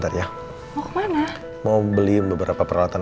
kenapa gue bisa biarin teman teman